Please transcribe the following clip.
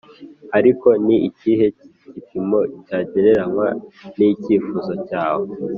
ariko ni ikihe gipimo cyagereranywa n'icyifuzo cyawe?